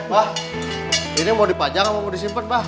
pak ini mau dipajang atau mau disimpan